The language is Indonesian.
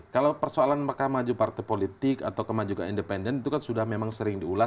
kalau persoalan mekah maju partai politik atau kemajukan independen itu kan sudah memang sering diulas